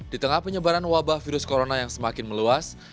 di tengah penyebaran wabah virus corona yang semakin meluas